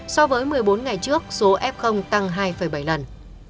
so với một mươi bốn ngày trước số f tăng hai bảy lần